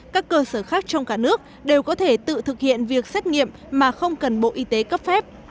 các cơ sở khác trong cả nước đều có thể tự thực hiện việc xét nghiệm mà không cần bộ y tế cấp phép